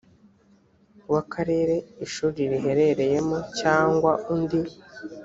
w akarere ishuri riherereyemo cyangwa undi